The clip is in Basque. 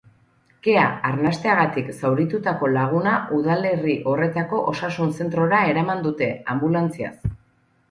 Kea arnasteagatik zauritutako laguna udalerri horretako osasun-zentrora eraman dute, anbulantziaz.